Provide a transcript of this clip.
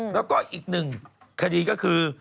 แล้วก็อีกหนึ่งคดีก็คือ